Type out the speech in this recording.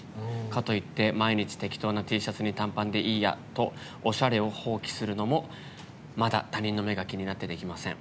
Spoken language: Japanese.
かといって毎日適当なＴシャツに短パンでいいやとおしゃれを放棄するのもまだ他人の目が気になってできません。